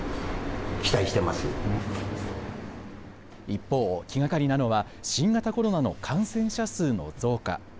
一方、気がかりなのは新型コロナの感染者数の増加。